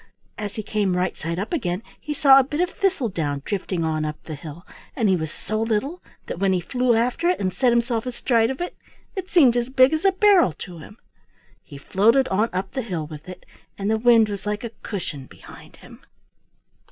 As he came right side up again he saw a bit of thistle down drifting on up the hill, and he was so little that when he flew after it and set himself astride of it, it seemed as big as a barrel to him. He floated on up the hill with it, and the wind was like a cushion behind him.